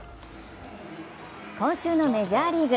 今週のメジャーリーグ。